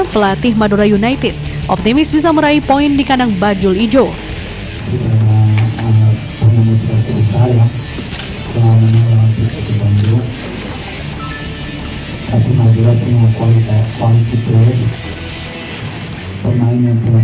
pelatih madura united optimis bisa meraih poin di kandang bajul ijo